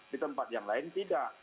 di tempat yang lain tidak